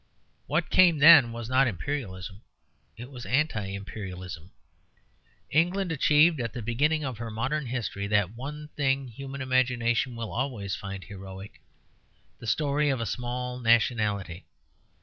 What came then was not Imperialism; it was Anti Imperialism. England achieved, at the beginning of her modern history, that one thing human imagination will always find heroic the story of a small nationality.